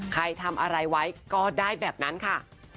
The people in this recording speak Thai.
ใครทำอะไรไว้ก็ได้แบบนั้นค่ะ